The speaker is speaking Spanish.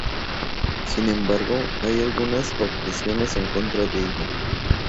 Sin embargo hay algunas objeciones en contra de ella.